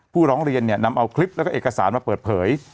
ผู้ร้องเรียนนำเอาคลิปแล้วก็เอกสารมาเปิดเผย